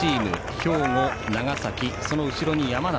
兵庫、長崎、その後ろに山梨。